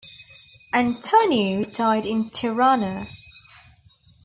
Antoniu died in Tirana.